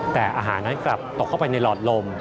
แต่อาหารนั้นกลับตกเข้าไปในหลอดลม